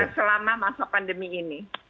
selama masa pandemi ini